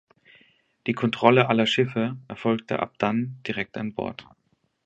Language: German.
Die Kontrolle aller Schiffe erfolgte ab dann direkt an Bord.